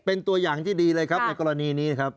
เป็นตัวอย่างที่ดีเลยครับในกรณีนี้ครับ